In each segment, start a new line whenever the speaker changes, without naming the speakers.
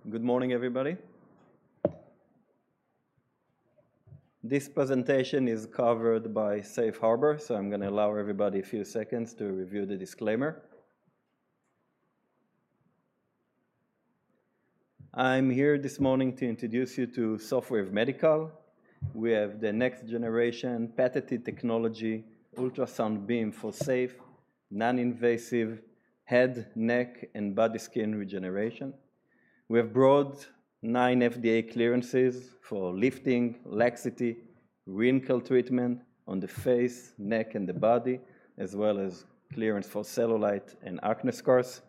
All right. Good morning everybody. This presentation is covered by Safe Harbor, so I'm going to allow everybody a few seconds to review the disclaimer. I'm here this morning to introduce you to Sofwave Medical. We have the next generation patented technology ultrasound beam for safe non-invasive head, neck and body skin regeneration. We have broad 9 FDA clearances for lifting, laxity, wrinkle treatment on the face, neck and the body as well as clearance for cellulite and acne scars.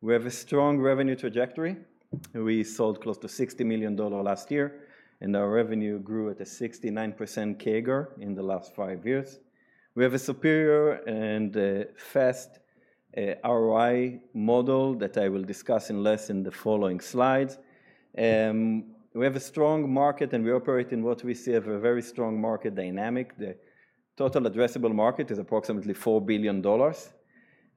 We have a strong revenue trajectory. We sold close to $60 million last year and our revenue grew at a 69% CAGR in the last five years. We have a superior and fast ROI model that I will discuss in less in the following slides. We have a strong market and we operate in what we see of a very strong market dynamic. The total addressable market is approximately $4 billion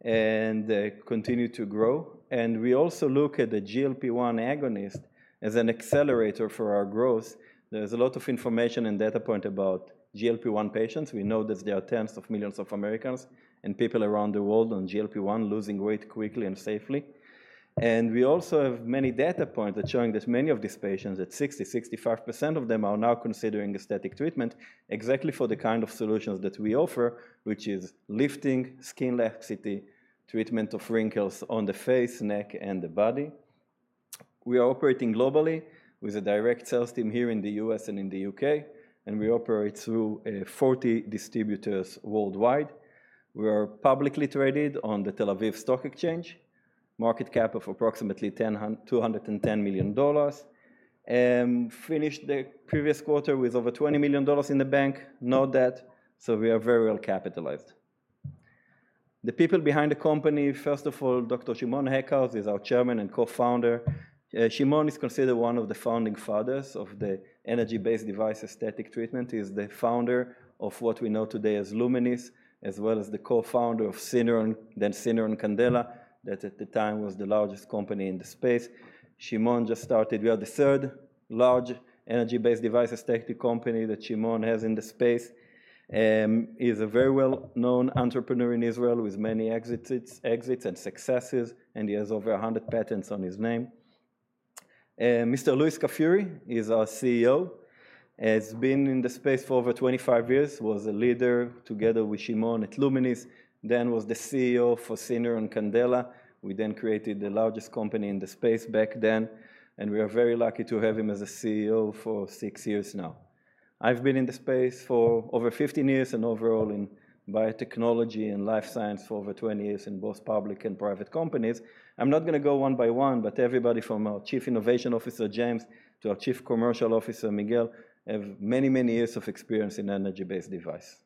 and continue to grow. We also look at the GLP-1 agonist as an accelerator for our growth. There's a lot of information and data point about GLP-1 patients. We know that there are tens of millions of Americans and people around the world on GLP-1 losing weight quickly and safely. We also have many data points that showing that many of these patients at 60-65% of them are now considering aesthetic treatment exactly for the kind of solutions that we offer which is lifting skin laxity, treatment of wrinkles on the face, neck and the body. We are operating globally with a direct sales team here in the U.S. and in the U.K. and we operate through 40 distributors worldwide. We are publicly traded on the Tel Aviv Stock Exchange market cap of approximately $210 million. Finished the previous quarter with over $20 million in the bank, no debt, so we are very well capitalized. The people behind the company, first of all Dr. Shimon Eckhouse is our Chairman and co-founder. Shimon is considered one of the founding fathers of the energy-based device aesthetic treatment. He is the founder of what we know today as Lumenis as well as the co-founder of Syneron, then Syneron Candela that at the time was the largest company in the space. Shimon just started. We are the third large energy-based devices aesthetic company that Shimon has in the space. He's a very well-known entrepreneur in Israel with many exits and successes and he has over 100 patents on his name. Mr. Luis Cafuri is our CEO, has been in the space for over 25 years, was a leader together with Shimon at Lumenis, then was the CEO for Syneron Candela. We then created the largest company in the space back then and we are very lucky to have him as a CEO for six years now. I've been in the space for over 15 years and overall in biotechnology and life science for over 20 years in both public and private companies. I'm not going to go one by one, but everybody from our Chief Innovation Officer James to our Chief Commercial Officer Miguel, have many, many years of experience in energy-based device.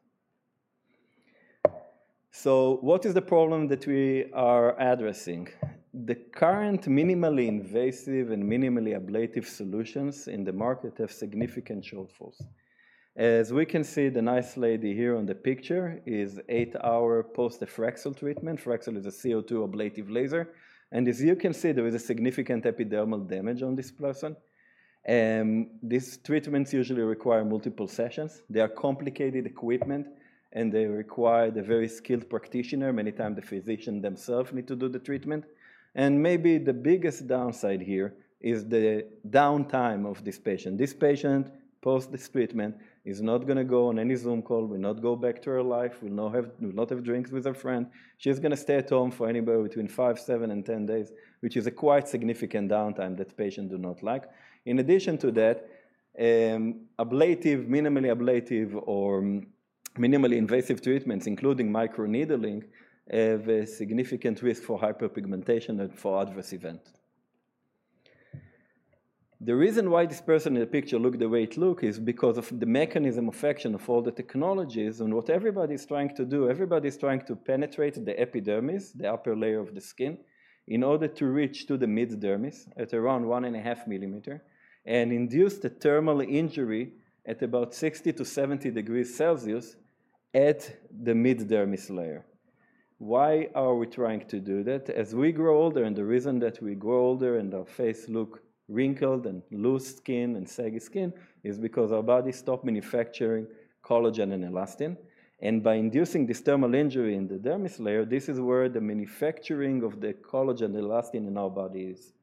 So what is the problem that we are addressing? The current minimally invasive and minimally ablative solutions in the market have significant show for as we can see, the nice lady here on the picture is 8 hour post Fraxel treatment. Fraxel is a CO2 ablative laser and as you can see there is a significant epidermal damage on this person. These treatments usually require multiple sessions, they are complicated equipment and they require the very skilled practitioner. Many times the physician themselves need to do the treatment. Maybe the biggest downside here is the downtime of this patient. This patient post this treatment is not going to go on any Zoom call, will not go back to her life, will not have a lot of drinks with her friend. She's going to stay at home for anywhere between five, seven and 10 days, which is a quite significant downtime that patients do not like. In addition to that, ablative, minimally ablative or minimally invasive treatments, including microneedling, have a significant risk for hyperpigmentation and for adverse events. The reason why this person in the picture looked the way it looked is because of the mechanism of action of all the technologies and what everybody is trying to do. Everybody is trying to penetrate the epidermis, the upper layer of the skin in order to reach to the mid dermis at around 1.5 millimeter and induce the thermal injury at about 60-70 degrees Celsius at the mid dermis layer. Why are we trying to do that as we grow older and the reason that we grow older and our face look wrinkled and loose skin and saggy skin is because our body stopped manufacturing collagen and elastin. By inducing this thermal injury in the dermis layer, this is where the manufacturing of the collagen and elastin in our bodies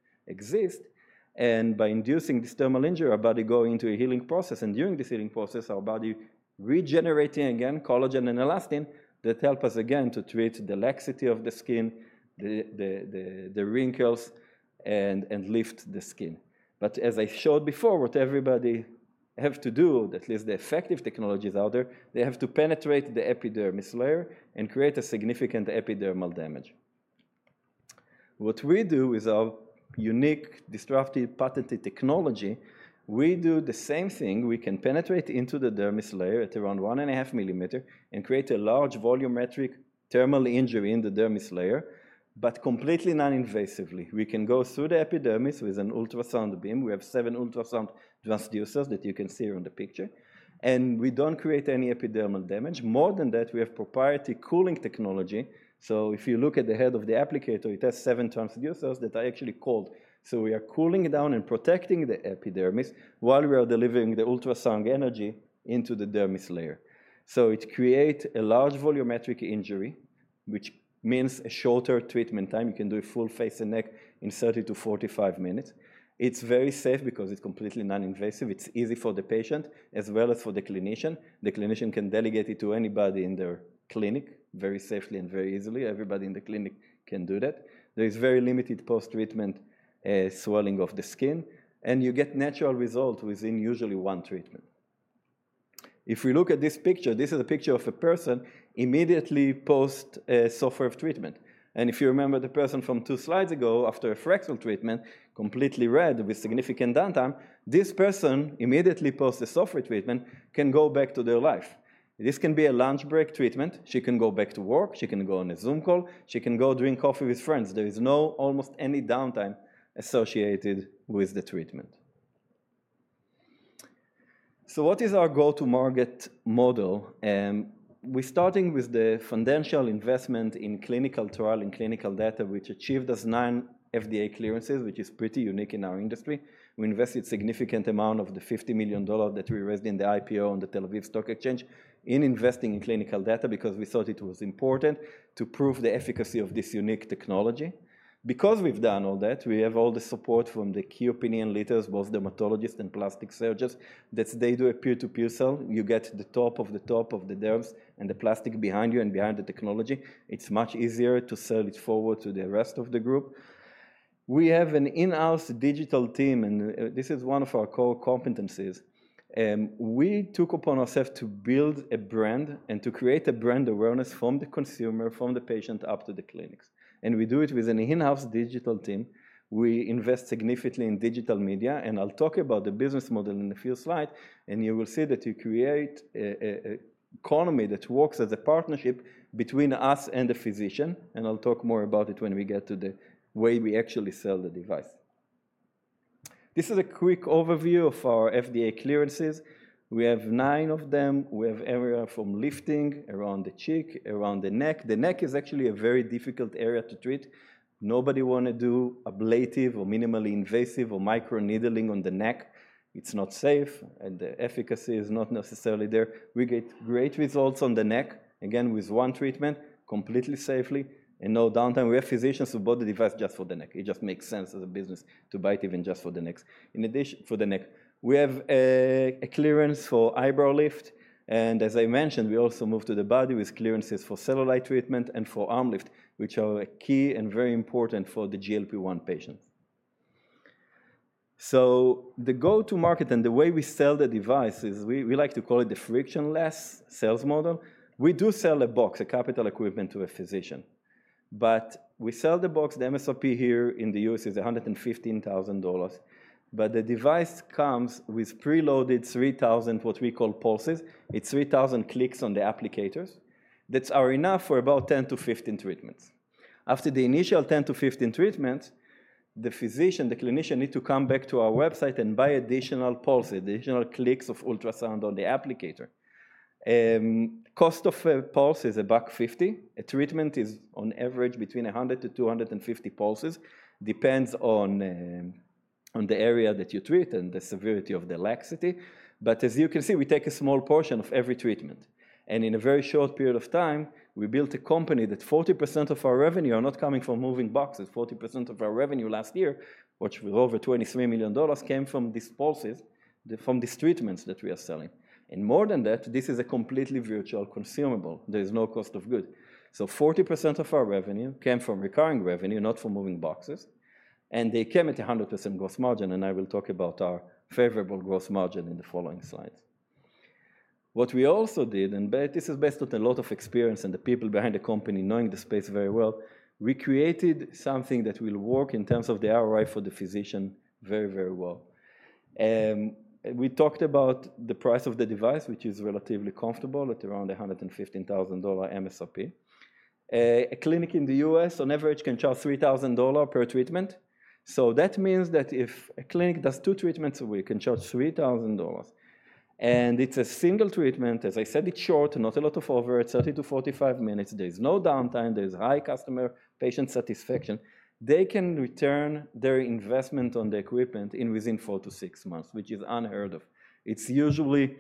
exist. By inducing this thermal injury, our body goes into a healing process. During this healing process, our body is regenerating again collagen and elastin that help us again to treat the laxity of the skin, the wrinkles, and lift the skin. As I showed before, what everybody has to do, at least the effective technologies out there, they have to penetrate the epidermis layer and create a significant epidermal damage. What we do is our unique disruptive patented technology. We do the same thing. We can penetrate into the dermis layer at around one and a half millimeter and create a large volumetric thermal injury in the dermis layer. Completely noninvasively, we can go through the epidermis with an ultrasound beam. We have seven ultrasound transducers that you can see on the picture and we do not create any epidermal damage. More than that, we have proprietary cooling technology. If you look at the head of the applicator, it has seven transducers that are actually cold. We are cooling down and protecting the epidermis while we are delivering the ultrasound energy into the dermis layer. It creates a large volumetric injury, which means a shorter treatment time. You can do a full face and neck in 30-45 minutes. It is very safe because it is completely noninvasive. It is easy for the patient as well as for the clinician. The clinician can delegate it to anybody in their clinic very safely and very easily. Everybody in the clinic can do that. There is very limited post treatment swelling of the skin and you get natural result within usually one treatment. If we look at this picture, this is a picture of a person immediately post Sofwave treatment and if you remember the person from two slides ago, after a fractional treatment, completely red with significant downtime, this person immediately post the Sofwave treatment can go back to their life. This can be a lunch break treatment. She can go back to work, she can go on a Zoom call, she can go drink coffee with friends. There is almost no downtime associated with the treatment. What is our go to market model? We're starting with the fundamental investment in clinical trial and clinical data which achieved us nine FDA clearances, which is pretty unique in our industry. We invested significant amount of the $50 million that we raised in the IPO on the Tel Aviv Stock Exchange in investing in clinical data because we thought it was important to prove the efficacy of this unique technology. Because we've done all that, we have all the support from the key opinion leaders, both dermatologists and plastic surgeons, that they do a peer to peer sell. You get the top of the top of the derms and the plastic behind you and behind the technology, it's much easier to sell it forward to the rest of the group. We have an in house digital team and this is one of our core competencies. We took upon ourselves to build a brand and to create a brand awareness from the consumer, from the patient up to the clinics. We do it with an in house digital team. We invest significantly in digital media. I'll talk about the business model in a few slides and you will see that you create economy that works as a partnership between us and the physician. I'll talk more about it when we get to the way we actually sell the device. This is a quick overview of our FDA clearances. We have nine of them. We have area from lifting around the cheek, around the neck. The neck is actually a very difficult area to treat. Nobody want to do ablative or minimally invasive or microneedling on the neck. It's not safe and the efficacy is not necessarily there. We get great results on the neck again with one treatment, completely safely and no downtime. We have physicians who bought the device just for the neck. It just makes sense as a business to buy it even just for the neck. In addition, for the neck we have a clearance for eyebrow lift. As I mentioned, we also move to the body with clearances for cellulite treatment and for arm lift, which are key and very important for the GLP-1 patient. The go to market and the way we sell the device is we like to call it the frictionless sales model. We do sell a box, a capital equipment to a physician, but we sell the box. The MSRP here in the US is $115,000. The device comes with preloaded 3,000, what we call pulses. It is 3,000 clicks on the applicators that are enough for about 10-15 treatments. After the initial 10 to 15 treatments, the physician, the clinician need to come back to our website and buy additional pulses, additional clicks of ultrasound on the applicator. Cost of pulse is $1.50. A treatment is on average between 100-250 pulses. Depends on the area that you treat and the severity of the laxity. As you can see, we take a small portion of every treatment and in a very short period of time we built a company that 40% of our revenue are not coming from moving boxes. 40% of our revenue last year, which was over $23 million, came from these pulses, from these treatments that we are selling. More than that, this is a completely virtual consumable. There is no cost of good. 40% of our revenue came from recurring revenue, not from moving boxes. They came at 100% gross margin. I will talk about our favorable gross margin in the following slides. What we also did, and this is based on a lot of experience and the people behind the company knowing the space very well, we created something that will work in terms of the ROI for the physician very, very well. We talked about the price of the device, which is relatively comfortable at around $115,000 MSRP. A clinic in the US on average can charge $3,000 per treatment. That means that if a clinic does two treatments a week and charges $3,000 and it's a single treatment, as I said, it's short, not a lot of overhead, 30 to 45 minutes. There is no downtime, there is high customer patient satisfaction. They can return their investment on the equipment within four to six months, which is unheard of. It's usually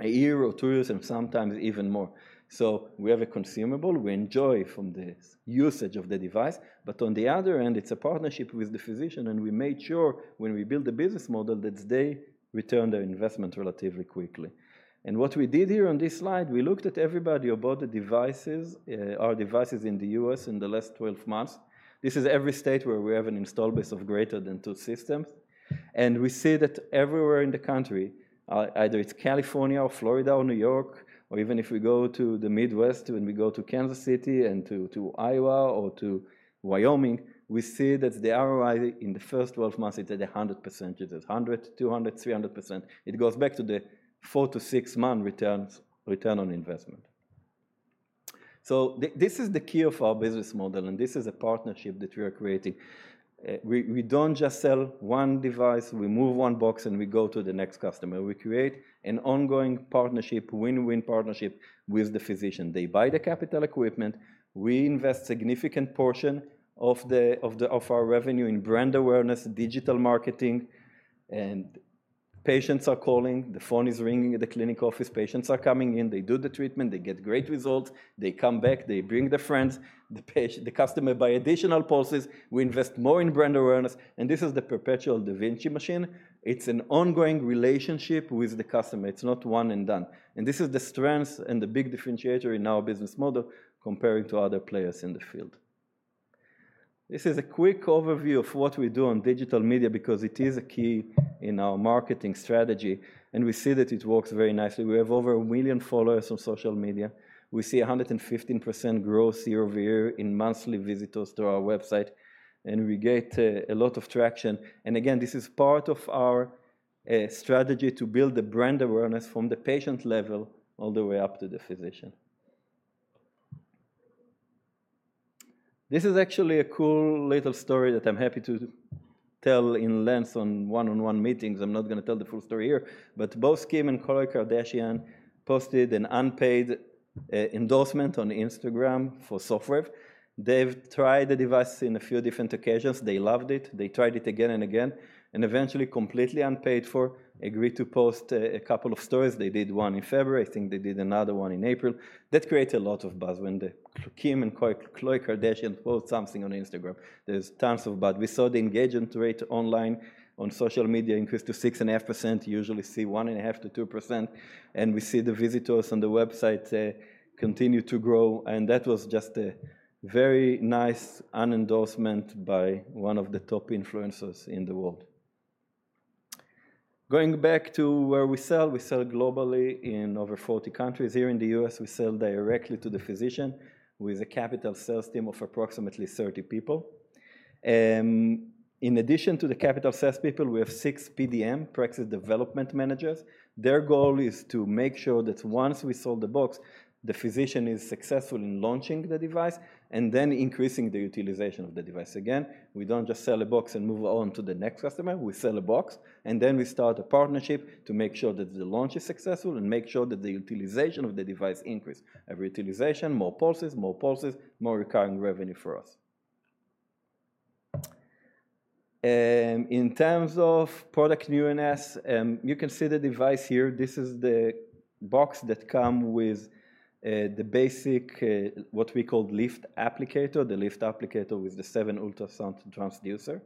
a year or two years and sometimes even more. We have a consumable, we enjoy from this usage of the device, but on the other end it's a partnership with the physician. We made sure when we build the business model that they return their investment relatively quickly. What we did here on this slide, we looked at everybody about the devices, our devices in the US in the last 12 months. This is every state where we have an install base of greater than two systems. We see that everywhere in the country. Either it's California or Florida or New York or even if we go to the Midwest, when we go to Kansas City and to Iowa or to Wyoming, we see that the ROI in the first 12 months is at 100%, 100%, 200%, 300%. It goes back to the four- to six-month return on investment. This is the key of our business model and this is a partnership that we are creating. We do not just sell one device, we move one box and we go to the next customer. We create an ongoing partnership, win-win partnership with the physician. They buy the capital equipment. We invest a significant portion of our revenue in brand awareness, digital marketing. Patients are calling, the phone is ringing at the clinic office, patients are coming in, they do the treatment, they get great results, they come back, they bring their friends, the customer buys additional pulses. We invest more in brand awareness. This is the perpetual da Vinci machine. It is an ongoing relationship with the customer. It is not one and done. This is the strength and the big differentiator in our business model comparing to other players in the field. This is a quick overview of what we do on digital media because it is a key in our marketing strategy and we see that it works very nicely. We have over a million followers on social media. We see 115% growth year over year in monthly visitors to our website and we get a lot of traction. Again, this is part of our strategy to build the brand awareness from the patient level all the way up to the physician. This is actually a cool little story that I am happy to tell in length on one on one meetings. I am not going to tell the full story here, but both Kim and Khloe Kardashian posted an unpaid endorsement on Instagram for Sofwave. They've tried the device on a few different occasions. They loved it. They tried it again and again and eventually, completely unpaid for, agreed to post a couple of stories. They did one in February. I think they did another one in April. That created a lot of buzz. When Kim and Khloe Kardashian post something on Instagram, there's tons of buzz. We saw the engagement rate online on social media increase to 6.5%. Usually, we see 1.5% to 2%. We see the visitors on the website continue to grow. That was just a very nice endorsement by one of the top influencers in the world. Going back to where we sell, we sell globally in over 40 countries. Here in the US, we sell directly to the physician with a capital sales team of approximately 30 people. In addition to the capital sales people, we have six PDM practice development managers. Their goal is to make sure that once we sell the box, the physician is successful in launching the device and then increasing the utilization of the device. Again, we do not just sell a box and move on to the next customer. We sell a box and then we start a partnership to make sure that the launch is successful and make sure that the utilization of the device increases every utilization. More pulses, more pulses, more recurring revenue for us. In terms of product newness, you can see the device here. This is the box that comes with the basic, what we call Lift Applicator. The Lift Applicator with the seven ultrasound drop transducer.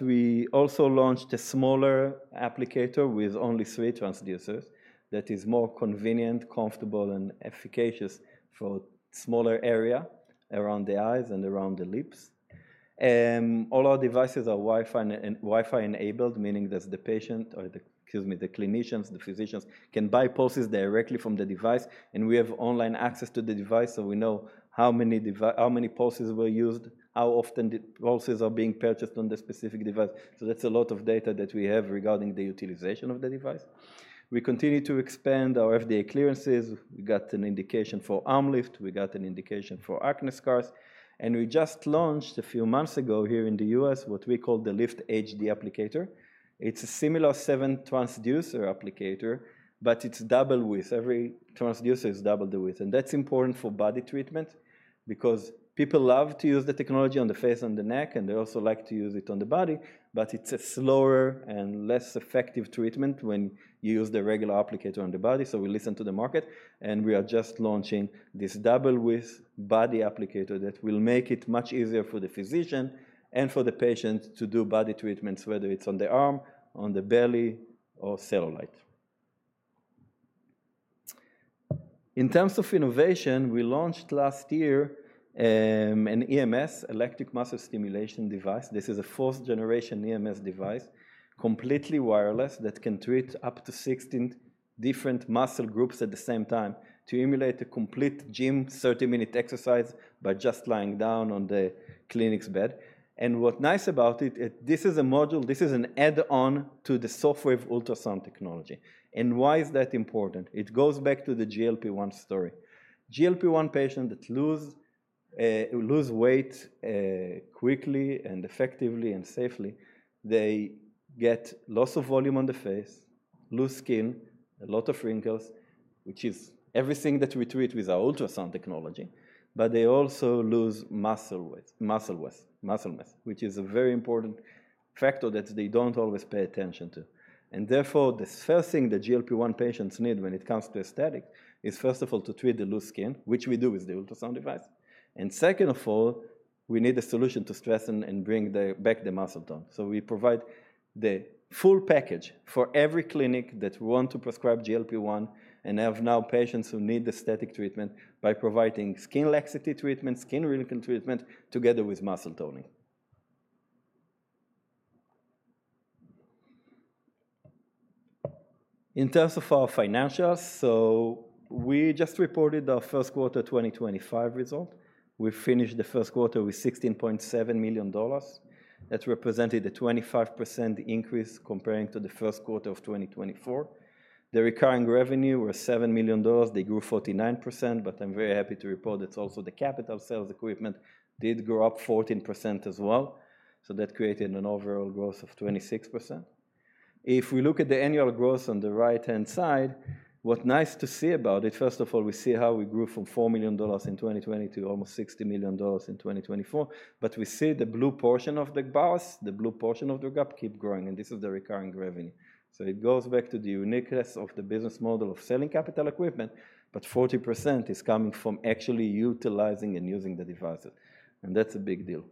We also launched a smaller applicator with only three transducers that is more convenient, comfortable, and efficacious for smaller areas around the eyes and around the lips. All our devices are Wi-Fi enabled, meaning that the clinicians, the physicians, can buy pulses directly from the device and we have online access to the device. We know how many pulses were used, how often the pulses are being purchased on the specific device. That is a lot of data that we have regarding the utilization of the device. We continue to expand our FDA clearances. We got an indication for arm lift, we got an indication for acne scars, and we just launched a few months ago here in the US what we call the Lift HD applicator. It is a similar seven transducer applicator, but it is double width. Every transducer is double the width and that's important for body treatment because people love to use the technology on the face and the neck and they also like to use it on the body. It is a slower and less effective treatment when you use the regular applicator on the body. We listen to the market and we are just launching this double width body applicator that will make it much easier for the physician and for the patient to do body treatments, whether it's on the arm, on the belly, cellulite. In terms of innovation, we launched last year an EMS electric muscle stimulation device. This is a 4th-generation EMS device, completely wireless that can treat up to 16 different muscle groups at the same time to emulate a complete gym 30 minute exercise by just lying down on the clinic's bed. What is nice about it, this is a module, this is an add-on to the Sofwave ultrasound technology. Why is that important? It goes back to the GLP-1 story. GLP-1 patients that lose weight quickly and effectively and safely, they get loss of volume on the face, loose skin, a lot of wrinkles, which is everything that we treat with our ultrasound technology. They also lose muscle weight, muscle waste, muscle mass, which is a very important factor that they do not always pay attention to. Therefore, the first thing that GLP-1 patients need when it comes to aesthetic is, first of all, to treat the loose skin, which we do with the ultrasound device. Second of all, we need a solution to stress and bring back the muscle tone. We provide the full package for every clinic that want to prescribe GLP-1 and have now patients who need the aesthetic treatment by providing skin laxity treatment, skin wrinkling treatment, together with muscle toning. In terms of our financials, we just reported our first quarter 2025 result. We finished the first quarter with $16.7 million. That represented a 25% increase comparing to the first quarter of 2024. The recurring revenue was $7 million. They grew 49%. I'm very happy to report that also the capital sales equipment did grow up 14% as well. That created an overall growth of 26%. If we look at the annual growth on the right hand side, what's nice to see about it, first of all we see how we grew from $4 million in 2020 to almost $60 million in 2024. We see the blue portion of the bias, the blue portion of the gap keep growing and this is the recurring revenue. It goes back to the uniqueness of the business model of selling capital equipment. 40% is coming from actually utilizing and using the devices. That is a big deal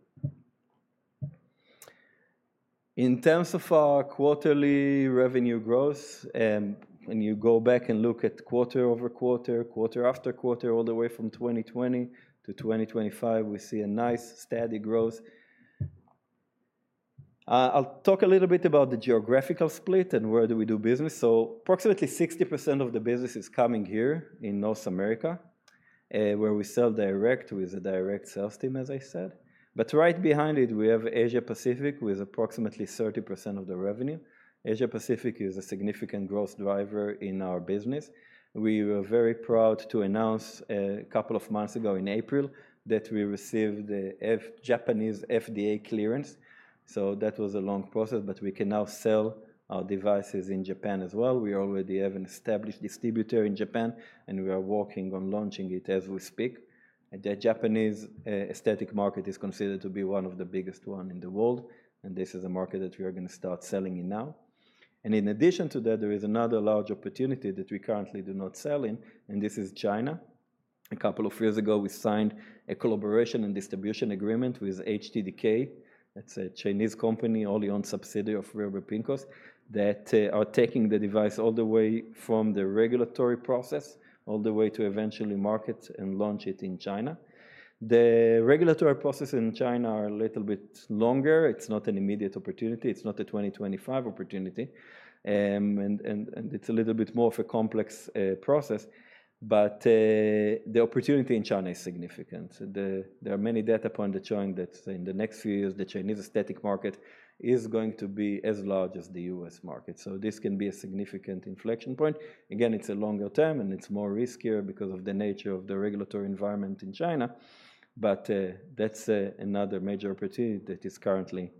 in terms of our quarterly revenue growth. When you go back and look at quarter over quarter, quarter after quarter, all the way from 2020 to 2025, we see a nice steady growth. I'll talk a little bit about the geographical split and where we do business. Approximately 60% of the business is coming here in North America where we sell direct with a direct sales team, as I said. Right behind it we have Asia Pacific with approximately 30% of the revenue. Asia Pacific is a significant growth driver in our business. We were very proud to announce a couple of months ago in April that we received the Japanese FDA clearance. That was a long process, but we can now sell our devices in Japan as well. We already have an established distributor in Japan, and we are working on launching it as we speak. The Japanese aesthetic market is considered to be one of the biggest ones in the world, and this is a market that we are going to start selling in now. In addition to that, there is another large opportunity that we currently do not sell in, and this is China. A couple of years ago we signed a collaboration and distribution agreement with HTDK, that's a Chinese company, wholly owned subsidiary of Riverpig Cosmetics, that are taking the device all the way from the regulatory process all the way to eventually market and launch it in China. The regulatory process in China is a little bit longer. It's not an immediate opportunity, it's not a 2025 opportunity, and it's a little bit more of a complex process. The opportunity in China is significant. There are many data points showing that in the next few years the Chinese aesthetic market is going to be as large as the U.S. market. This can be a significant inflection point. Again, it's a longer term and it's more risky because of the nature of the regulatory environment in China. That is another major opportunity that is currently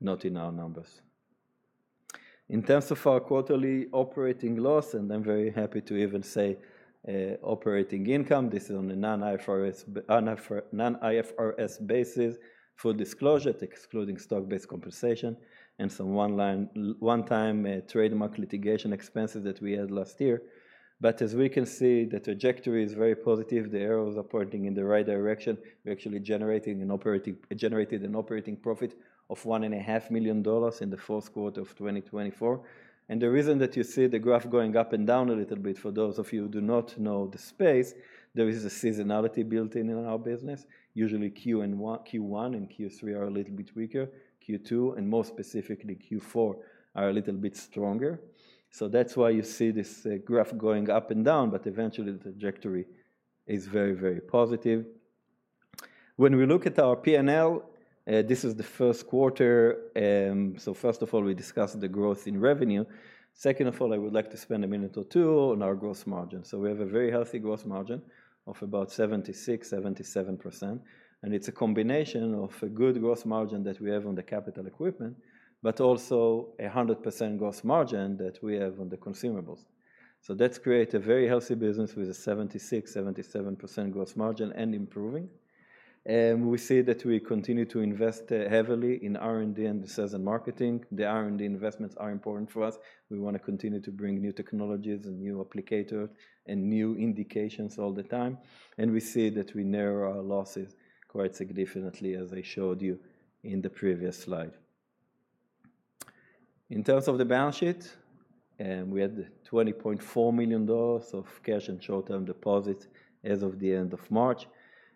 not in our numbers in terms of our quarterly operating loss and I am very happy to even say operating income. This is on a non-IFRS basis, full disclosure excluding stock-based compensation and some one-time trademark litigation expenses that we had last year. As we can see, the trajectory is very positive. The arrows are pointing in the right direction. We actually generated an operating profit of $1,500,000 in the fourth quarter of 2024. The reason that you see the graph going up and down a little bit, for those of you who do not know the space, there is a seasonality built in in our business. Usually Q1 and Q3 are a little bit weaker. Q2 and more specifically Q4 are a little bit stronger. That's why you see this graph going up and down. Eventually the trajectory is very, very positive. When we look at our P&L, this is the first quarter. First of all, we discussed the growth in revenue. Second of all, I would like to spend a minute or two on our gross margin. We have a very healthy gross margin of about 76-77% and it's a combination of a good gross margin that we have on the capital equipment but also 100% gross margin that we have on the consumables. That creates a very healthy business with a 76-77% gross margin and improving. We see that we continue to invest heavily in R&D and the sales and marketing. The R&D investments are important for us. We want to continue to bring new technologies and new applicators and new indications all the time. We see that we narrow our losses quite significantly. As I showed you in the previous slide, in terms of the balance sheet, we had $20.4 million of cash and short term deposits as of the end of March.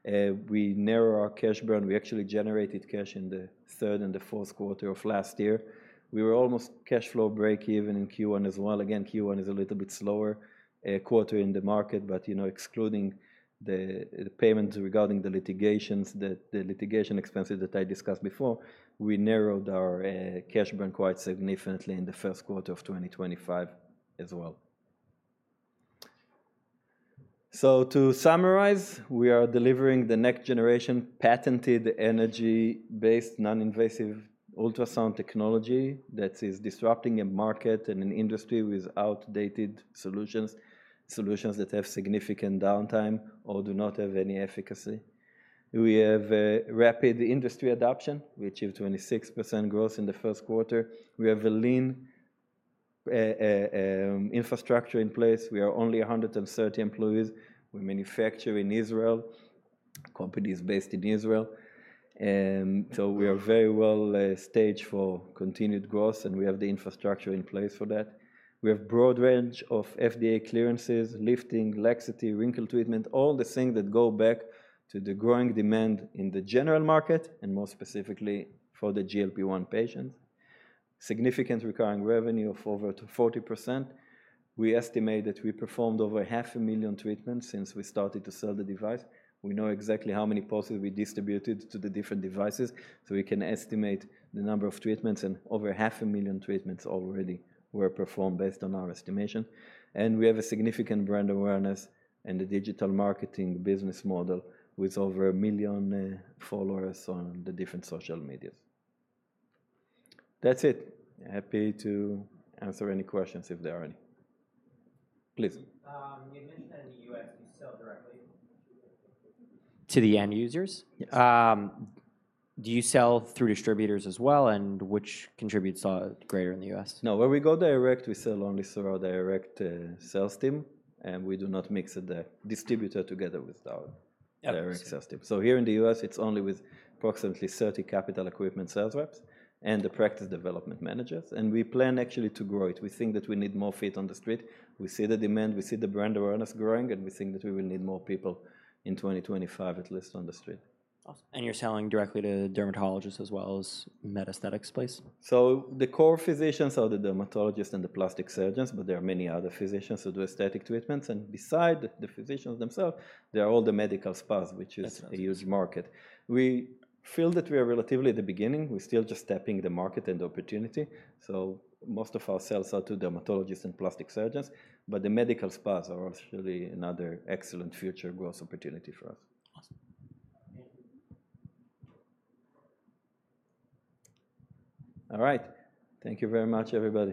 We narrow our cash burn. We actually generated cash in the third and the fourth quarter of last year. We were almost cash flow break even in Q1 as well. You know, Q1 is a little bit slower quarter in the market. You know, excluding the payments regarding the litigations, the litigation expenses that I discussed before, we narrowed our cash burn quite significantly in the first quarter of 2025 as well. To summarize, we are delivering the next generation patented energy-based non-invasive ultrasound technology that is disrupting a market and an industry with outdated solutions. Solutions that have significant downtime or do not have any efficacy. We have rapid industry adoption. We achieved 26% growth in the first quarter. We have a lean infrastructure in place. We are only 130 employees. We manufacture in Israel, company is based in Israel. We are very well staged for continued growth and we have the infrastructure in place for that. We have a broad range of FDA clearances, lifting, laxity, wrinkle treatment, all the things that go back to the growing demand in the general market and more specifically for the GLP-1 patients, significant recurring revenue of over 40%. We estimate that we performed over 500,000 treatments since we started to sell the device. We know exactly how many pulses we distributed to the different devices, so we can estimate the number of treatments and over 500,000 treatments already were performed based on our estimation. We have a significant brand awareness and a digital marketing business model with over 1,000,000 followers on the different social medias. That's it. Happy to answer any questions if there are any, please. You mentioned that in the U.S. do you sell directly to the end users? Do you sell through distributors as well and which contributes greater in the U.S.? No, when we go direct, we sell only through our direct sales team and we do not mix the distributor together with our direct sales team. Here in the U.S. it's only with approximately 30 capital equipment sales reps and the practice development managers, and we plan actually to grow it. We think that we need more feet on the street and we see the demand, we see the brand awareness growing and we think that we will need more people in 2025, at least on the street. You're selling directly to dermatologists as well as metastatics, please. The core physicians are the dermatologists and the plastic surgeons, but there are many other physicians who do aesthetic treatments. Beside the physicians themselves, there are all the medical spas, which is a huge market. We feel that we are relatively at the beginning, we're still just tapping the market and opportunity. Most of our sales are to dermatologists and plastic surgeons, but the medical spas are actually another excellent future growth opportunity for us. All right, thank you very much everybody.